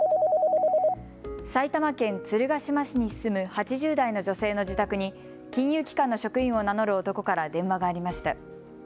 埼玉県鶴ヶ島市に住む８０代の女性の自宅に金融機関の職員を名乗る男から電話がありました。